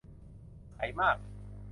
ใสมาก